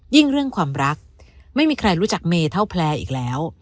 เรื่องความรักไม่มีใครรู้จักเมเท่าแพลร์อีกแล้ว